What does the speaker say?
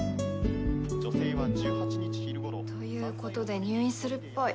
女性は１８日昼頃。ということで入院するっぽい。